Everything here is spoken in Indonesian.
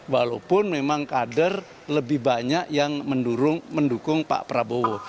walaupun memang kader lebih banyak yang mendukung pak prabowo